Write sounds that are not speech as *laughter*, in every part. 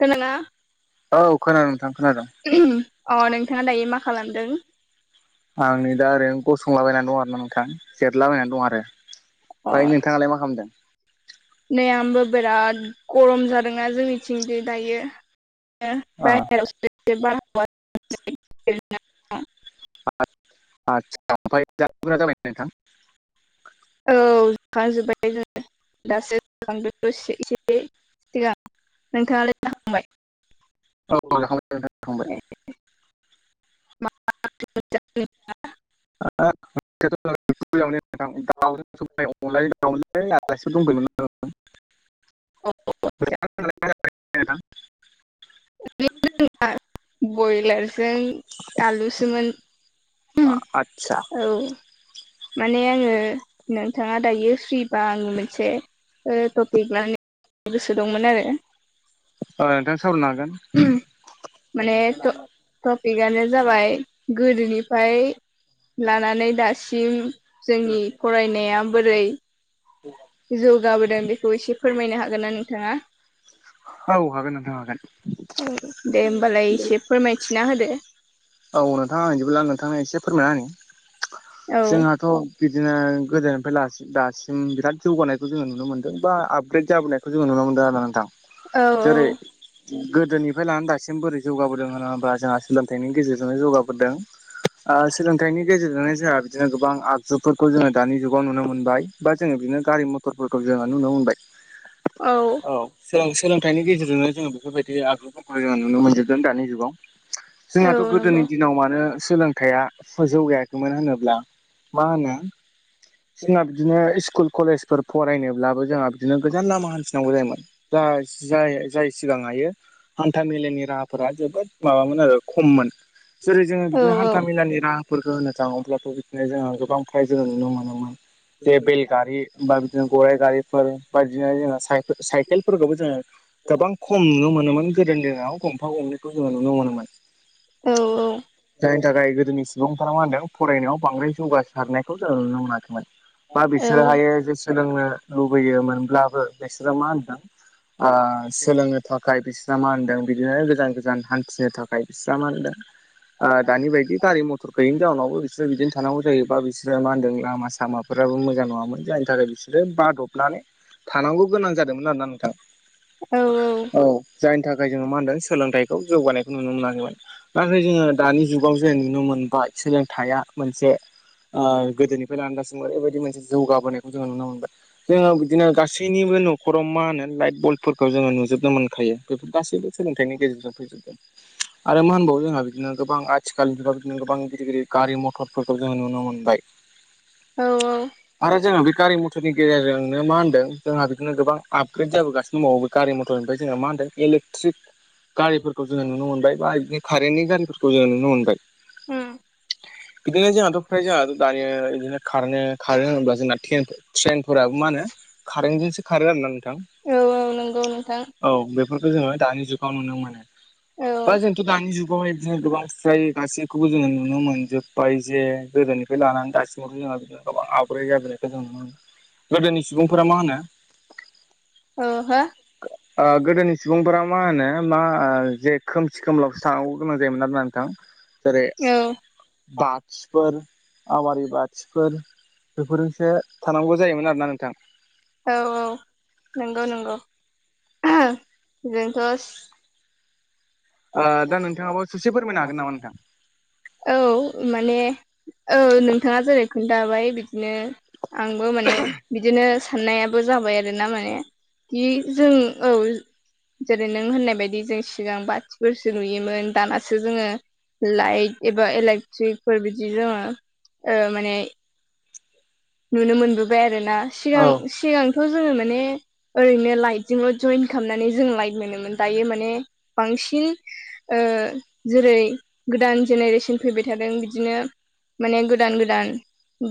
खोनाना औ खोनादों *unintelligible* अ नोंथाङा दायो मा खालामदों? आं नै दा ओरैनो गसंलाबायना दं आरोना नोंथां जेरायलाबायनानै दं आरो। ओमफ्राय नोंथाङालाय मा खालामदों *unintelligible* नै आंबो बिराद गरम जादोंना जोंनिथिंदि दायो। अ *unintelligible* *unintelligible* आतसा ओमफाय दा गोरा जाबाय नोंथां। औ जाखांजोब्बाय जोङो दासो जाखां दो दसे एसे सिगां। नोंथांङालाय *unintelligible* औ जाखांबाय नोंथां जाखांबाय। *unintelligible* अनलाजों दाउमोनलै आलासिफोर दंफैयोमोन। औ। *unintelligible* *unintelligible* बयलारजों आलुसोमोन। *unintelligible* आतसा। औ। माने आंङो नोंथाङा दायो फ्रिबा आंङो मोनसे ओ टपिक लानानै गोसो दंमोन आरो। ओ नोंथां सावरायनो हागोन *unintelligible* माने ट टपिकआनो जाबाय गोदोनिफ्राय लानानै दासिम जोंनि फरायनाया बोरै जौगाबोदों बेखौ एसे फोरमायनो हागोन ना नोंथाङा औ हागोन नोंथां हागोन दे होमबालाय एसे फोरमायथिना होदो औ नोंथां बिदिब्ला नोंथांनो एसे फोरमाया होनै औ जोंहाथ' बिदिनो गोदोनिफ्राय दासिम दासिम बिराद जौगानायखौ जोङो नुनो मोनदों बा आपग्रेद जाबोनायखौ जोङ नुनो मोनदों आरो ना नोंथां औ जेरै गोदोनिफ्राय लानानै दासिम बोरै जौगाबोदों होन होनोबा जोंहा सोलोंथाइनि गेजेरजोंनो जौगाबोदों ओ सोलोंथाइनि गेजेरजोंनो जोंहा बिदिनो गोबां आगजुफोरखौ जोङो दानि जुगाव नुनो मोनबाय बा जोङो बिदिनो गारि मथरफोरखौ जों नुनो मोनबाय औ औ सोलोंथाइनि गेजेरजोंनो जोङो बेफोरबायदि आगुफोरखौ जोङो नुनो मोनजोबदों दानि जुगाव औ जोंहाथ' औ गोदोनि नंगौ दिनाव मानो सोलोंथायाइआ जौगायाखैमोन होनोब्ला मा होनो जोंना बिदिनो स्कुल कलेजफोर फरायनोब्लाबो जोंहा बिदिनो गोजान लामा हान्थिनांगौ जायोमोन जा जाय सिगां हायो हान्था मेलानि राहाफोरा जोबोद माबामोन आरो खममोन जेरै जोङो औ बिदिनो औ हान्था मेलानि राहा फोरखो होनो थाङो अब्लाथ' बिदिनो जोङो गोबां फ्राय जोङो नुनो मोनोमोन जे बेलगारि बा बिदिनो गराइ गारिफोर बा बिदिनो जोङो साइकेल साइकेलफोरखौबो जोङो गोबां खम नुनो मोनोमोन गोदोनि दिनाव गंफा गंनैखौ जोङो नुनो मोनोमोन औ औ जायनि थाखाय गोदोनि सुबुंफोरा मा होनदों फरायनायाव बांद्राय जौगासारनायखौ जों नुनो मोनाखैमोन। बा औ बिसोरोहायो जे सोलोंनो लुबैयोमोनब्लाबो बिसोरो मा होनदों ओ सोलोंनो थाखाय बेस मा होनदों बिदिनो गोजान गोजान हान्थिनो थाखाय फिसा मा होनदों ओ दानि बायदि गारि मथुर गैयि जाउनावबो बिसोरो बिदिनो थानांगौ जायोबा बिसोरो मा होनदों लामा सामाफोराबो मोजां नङामोन जायनि थाखाय बिसोरो बादब नानै थानांगौ गोनां जादोंमोन आरोना नोंथां औ औ जायनि थाखाय जोङो मा होनदों सोलोंथाइखौ जौगानायखौ नुनो मोनाखैमोन नाथाय जोङो दानि जुगाव जे नुनो मोनबाय सोलोंथाइया मोनसे ओ गोदोनिफ्राय लानानै दासिमबो एरैबायदि मोनसे जौगाबोनायखौ जोङो नुनो मोनबाय जोङो बिदिनो गास गासैनिबो न'खराव मा होनो लाइट बल्बफोरखौ जोङो नुजोबनो मोनखायो बेफोर गासैबो सोलोंथाइनि गेजेरजों फैजोबदों आरो मा होनबावो जोंहा बिदिनो गोबां आथिखालनिफ्राय बिदिनो गोबां गिदिर गिदिर गारि मथरफोरखौ जोङो नुनो मोनबाय औ औ आरो जोङो बे गारि मथरनि गेजेरजोंनो मा होन्दों जोंहा बेखौनो गोबां आपग्रेद जाबोगासिनो दबावो। गारि मथरनिफ्राय जोङो मा होनदों इलेकट्रिक गारिफोरखौ जोङो नुनो मोनबाय बा इदि कारेन्टनि गारिफोरखौ जोङो नुनो मोनबाय उम बिदिनो जोंहाथ' फ्राय जोंहाथ दायो बिदिनो खारनो खारो होनोब्ला जोंना थेनफोर ट्रेन फोराबो मा होनो कारेेनटजोंसो खारो आरोना नोंथां औ औ नंगौ नोंथां औ बेफोरखौ जोङो दानि जुगाव नुनो मोनो औ बा जोंथ' दानि जुगावहाय बिदिनो गोबां फ्राय गासैखौबो जोङो नुनो मोनजोब्बाय जे गोदोनिफ्राय लानानै दासिबो दाथ जोंङो गोबां आफग्रेद जाबोनायखौ जों नुनो मोनदों। गोदोनि सुबुंफोरा मा होनो औ हो ओ गोदोनि सु सुबुंफोरा मा होनो मा ओ जे खोमसि खोमलायावसो थानांगौ गोनां जायोमोन आरोना नोंथां जेरै औ बाथिफोर आवारि बाथिफोर बेफोरजोंसो थानांगौ जायोमोन आरोना नोंथां। औ औ नंगौ नंगौ जोंथ' ओ दा नोंथाङाबो ससे फोरमायनो हागोन नामा नोंथां औ माने औ नोंथाङा जेरै खोन्थाबाय बिदिनो आंबो माने बिदिनो साननायाबो जाबाय आरो ना माने बि जों औ जेरै नों होननाय बायदि जों सिगां बा फोरसो नुयोमोन दानासो जोङो लाइट एबा इलेक्ट्रिकफोर बिदि जोङो ओ माने नुनो मोनबोबाय आरो ना औ सिगां सिगां थ जोङो माने ओरैनो लाइटजोंल' जइन खालामनानै जों लाइट मोनोमोन दायो माने बांसिन जेरै गोदान जेनेरेसन फैबाय थादों बिदिनो माने गोदान गोदान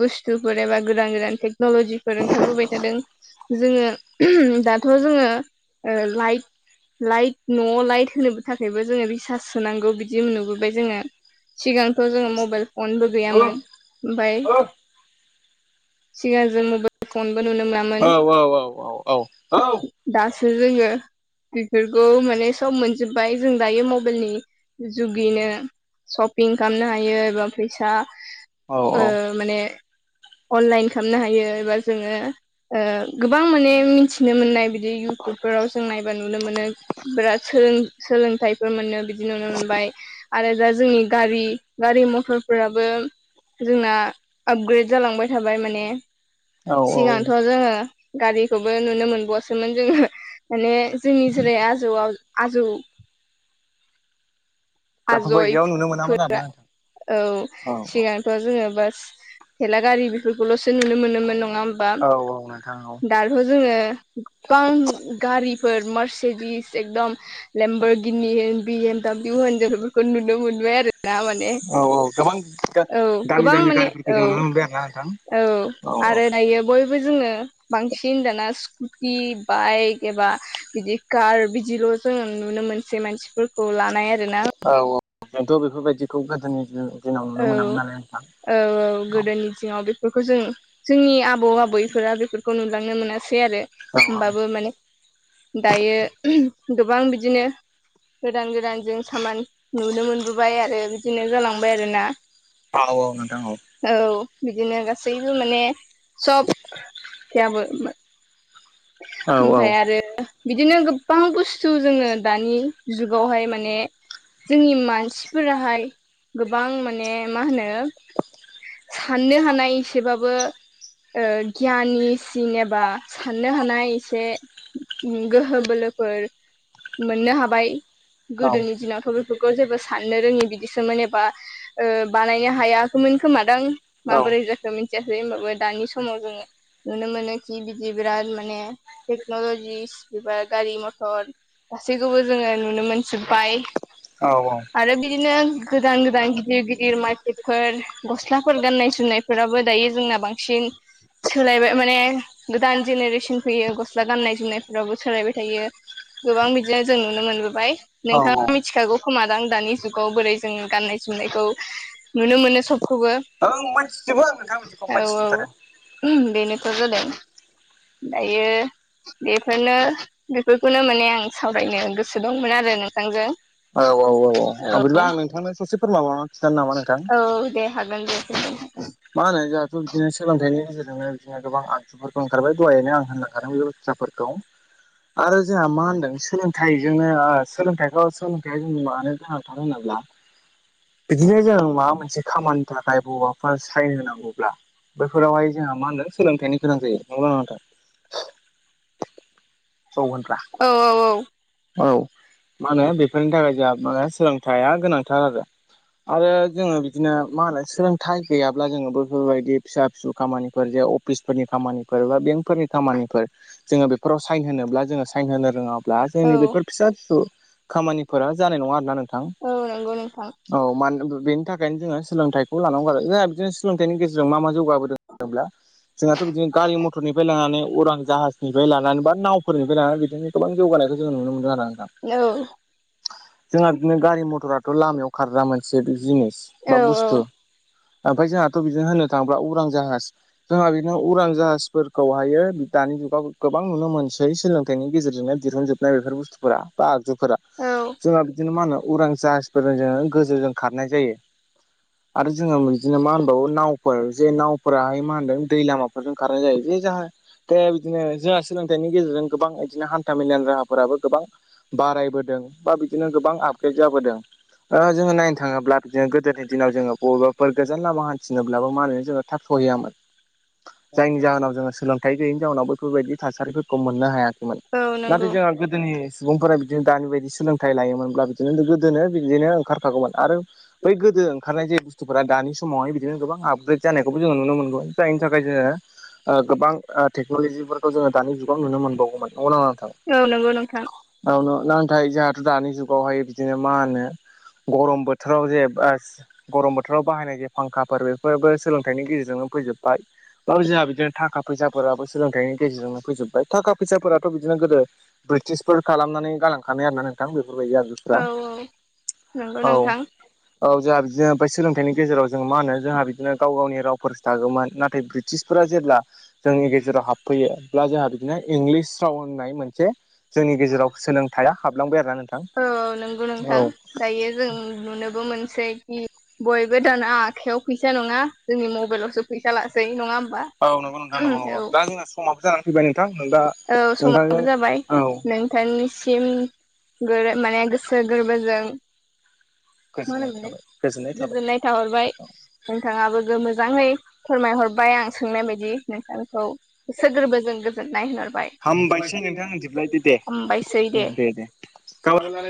बुस्थुफोर एबा गोदान गोदानै टेकनल'जिफोर ओंखारबोबाय थादों जोङो दाथ' जोङो लाइट लाइट न'आव लाइट होनोबो थाखायबो जोङो रिसार्च सोनांगौ बिदि नुबोबाय जोङो सिगांथ' जोङो मबाइल फनबो औ गैयामोन ओमफ्राय औ सिगां जों मबाइल फनबो नुनो मोनामोन औ औ औ औ औ दासो जोङो बेफोरखौ माने सब मोनजोब्बाय जों दायो मबाइलनि जुगैनो सशपिं खालामनो हायो एबा फैसा औ माने अनलाइन खालामनो हायो एबा जोङो ओ गोबां माने मिथि नुनो मोननाय बिदि टुबफोराव जों नायबा नुनो मोनो बिदों सोलों सोलों *unintelligible* मोनो बिदि नुनो मोनबाय आरो दा जोंनि गारि गारि मथरफोराबो जोंना आपग्रेड जालांबाय थाबाय माने औ औ सिगांथ' जोङो गारिखौबो नुनो मोनो बसोमोन जोङो माने जोंनि जेरै आजौआव आजौ बेफोरबायदियाव नुनो मोनामोन आजयफोरा आरोना नोंथां औ औ औ सिगां जोङो बास थेला गारि बेफोरखौल'सो नुनो मोनोमोन नङा होमबा औ औ नोंथां औ दाथथ' जोङो गोबां गारिफोर मार्सेडिस एकदम लेमबरगिन्नि होन बि एम दाब्लिउ होन बेफोरखौ नुनोमोनबाय आरो ना माने औ औ गोबां औ दामि गोबां दामि माने गारिफोरखौ औ जनानै मोनबाय आरोना नोंथां औ आरो दायो बयबो जोङो बांसिन दाना बि बाइक एबा बिदि कार बिदिल' जों नुनो मोनसै मानसि खौ लानाय आरो ना जोथ' बेफोरबायदिखौ गोदोनि दिनाव नुनो मोनामोन नालाय नोंथां औ औ गोदोनि दिङाव बेफोरखौ जों जोंनि आबौ आबैफोरा बेफोरखौ नुलांनो मोनासै सै आरो औ होमबाबो माने दायो गोबां बिदिनो गोदान गोदान जों सामान नुनो मोनबोबाय आरो बिदिनो जालांबाय आरोना औ औ औ नोंथां औ बिदिनो गासैबो माने सब गैयाबो औ औ ओमफफ्राय औ आरो बिदिनो गोबां बुस्थु जोङो दानि जुगावहाय माने जोंनि मानसिफोराहाय गोबां माने मा होनो साननो हानाय एसेबाबो गियानिसिन एबा साननो थनो हानाय एसे गोहो बोलोफोर मोननो हाबाय गोदोनि दिनावथ' बे बेफोरखौ जेबो साननो रोङि बिदिसोमोन एबा बानायनो हायाखैमोन खोमादां माबोरै जाखो खो मिथियाासै होनबाबो दानि समाव जोंङो नुनो मोनो कि बिदि बिराद माने टेक्न'लजिस एबा गारि मटर गासैखौबो जोंङो नुनो मोनजोब्बाय आरो बिदिनो गोदान-गोदान गिदिर-गिदिर मार्केटफोर गस्लाफोर गाननाय जोमनायफोराबो दायो जोंना बांसिन सि सोलायबाय माने गोदान जेनेरेसन फैयो गस्ला गाननाय जोमनायफ्रावबो सोलायबाय थायो। गोबां बिदिनो जों नुनो मोनबोबाय नोंथाङा मिथिखागौ खोमादां दानि जुगाव बोरै जों गाननाय जोमनायखौ नुनो मोनो सबखौबो औ मोनथिजोबो आं नोंथां बिदिखौ औ मोनथिजोबथारो उहोम बेनोथ' जादों दायो बेफोरनो बेफोरखौनो माने आं सावरायनो गोसो दंमोन आरो नोंथांजों। औ औ औ बिदिबा आं नोंथांनो ससे फोरमायबावनानै खिथानो नामा नोंथां औ दे हागोन दे। *unintelligible* मा होनो जोंहाथ बिदिनो सोलोंथाइनि गेजेरजोंनो बिदिनो गोबां आ *unintelligible* ओंखारबाय दहायनो आं होनलां बेबसथा फोरखौ। आरो जोंहा मा होनदों सोलोंथाइजोंनो आ सोलोंथाइखौ या मानो गोनांथार होनोब्ला बिदिनो जों माबा मोनसे खामानि थाखाय बबाफोर सायन होनांगौब्ला बैफोरावहाय जोंहा मा होनो सोलोंथाइनि गोनां जायो नंगौना नङा नोंथां? *unintelligible* औ औ औ। औ मा होनो बेफोरनि थाखाय जोंहा माने सोलोंथाइया गोनांथार आरो। आरो जोंङो बिदिनो मा होनो सोलोंथाइ गैयाब्ला जोंङो बो बेफोरबायदि फिसा फिसौ खामानिफोर जे अफिसफोरनि खामानिफोर बा बेंकफोरनि खामानिफोर जोंङो बेफोराव साइन होनोब्ला जोंङो साइन होनो रोङा ब्ला औ जोंनि बेफोर फिसा फिसौ खामानिफोरा जानाय नङा आरोना नोंथां। औ नंगौ नोंथां औ मा बेनि थाखायनो जोंङो सोलोंथाइखौ लानांगौ आरो जोंहा बिदिनो सोलोंथाइनि गेजेरजों मा मा जौगाबोदों होनब्ला जोंहाथ' बिदिनो गारि मथरनिफ्राय लानानै अरां जाहाजनिफ्राय लानानै बा नावफोरनिफ्राय लाना बिदिनो गोबां जौगानायखौ जोंङो नुनो मोनदों आरो नोंथां। औ जोंहा बिदिनो गारि मथराथ' लामायाव खारगा मोनसे जिनिस औ बा बुस्थु। ओमफ्राय जोंहाथ' बेजों होनो थाङोब्ला उरां जाहाज जोंहा बिदिनो उरां जाहाजफोरखौहायो दानि जुगाव गोबां नुनो मोनो। *unintelligible* सोलोंथाइनि गेजेरजोंनो दिहुनजोबनाय बेफोर बुस्थु फोरा बा आगजुफोरा औ जोंहा बिदिनो मा होनो उरां जाहाजफोरजों जोंङो गोजौजों खारनाय जायो। *inaudible* आरो जोंङो बिदिनो मा होनबावो नावफोर जे नावफोराहाय मा होनदों दै लामाफोरजों खारनाय जायो जे जाहा दे बिदिनो जोंहा सोलोंथाइनि गेजेरजों गोबां बिदिनो हान्था मेलानि राहाफोराबो गोबां बारायबोदों बा बिदिनो गोबां आपग्रेड जाबोदों। ओ जोंङो नायनो थाङोब्ला बिदिनो गोदोनि दिनाव जोंङो बबेबाफोर गोजान लामा हान्थिनोब्लाबो माहोनो जोंङो थाब सहैयामोन। *inaudible* जायनि जाहोनाव जोंङो सोलों थाय गैयैनि जाउनाव बेैफोरबायदि थासारिफोरखौ मोननो हायाखैमोन नाथाय नंगौ जोंहा जोंनि सुबुंफोरा बिदिनो दानि बायदि सोलोंथाइ लायोमोनब्ला बिदिनो गोदोनो बिदिनो ओंखारखागौमोन आरो बै गोदो ओंखारनाय जे बुस्थुफोरा दानि समावहाय बिदिनो गोबां आपग्रेद जानायखौबो जोंङो नुनो मोनबोबाय। जायनि थाखाय जोंङो ओ गोबां टेक्नल'जिफोरखौ जोंङो दानि जुगाव नुनो मोनबावगौमोन नंगौ ना नाङां नोंथां? औ नंगौ नोंथां। ओ नो नाथाय जोंहाथ' दानि जुगावहाय बिदिनो मा होनो गरम बोथोराव जे बास गरम बोथोराव बाहायनाय जे फांखाफोर बेफोरबो सोलोंथाइनि गेजेरजोंनो फैजोब ब ओं जोंहा बिदिनो थाखा फैसाफोराबो सोलोंथाइनि गेजेरजोंनो फैजोब ओम थाखा फैसाफोराथ' बिदिनो गोदो ब्रिटिसफोर खालामनानै गालांखानाय आर ना नोंथां बेफोरबायदि आरो औ नंगौ औ नोंथां औ जोंहा बिदिनो ओमफ्राय सोलोंथाइनि गेजेराव जों मा होन जोंहा बिनो गाव गावनिवफोरोागौमोन नाथाय ब ब्रिटिसफोरा जेब्ला जोंनि गेजेराव हाबफैयोब्ला जोंहा बिदिनो इंलिस राव होननाय मोनसे जोंनि गेजेराव सोलोंथाइा हाबलांबाय आरोना औ नंगौ नोंथां नोंथां औ। दायो जों नुनोबो मोनसै कि बयबो दाना आखयाव फैसा नङा जोंनि मबाइलावसो फैसा लासै नङा हा औ नंगौ नोंथां नंगौ नगौ दा जोंना समाब जानानै फैबाय नोंथां नों दा औ समाबो नोंथांजों जाबाय औ नों बिथांनिसिम गोर माने गोसो गोरबोजों गोजोननाय थाबाय गोजोननाय थाबाय *unintelligible* खिन्थाहरबाय नोंथाङाबो मोजाङै फोरमायहरबाय आं सोंनाय बायदि नोंथांखौ गोसो गोरबोजों गोजोननाय होनहरबाय हामबायसै नोंथां बिदिब्ला दे दे हबायसै दे। माल जाल *unintelligible*